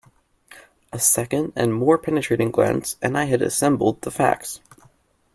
A second and more penetrating glance and I had assembled the facts.